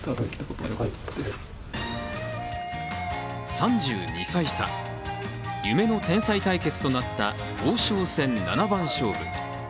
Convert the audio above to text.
３２歳差、夢の天才対決となった王将戦七番勝負。